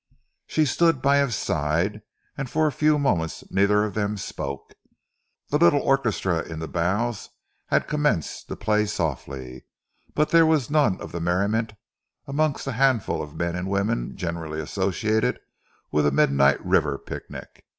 She stood by his side, and for a few moments neither of them spoke. The little orchestra in the bows had commenced to play softly, but there was none of the merriment amongst the handful of men and women generally associated with a midnight river picnic.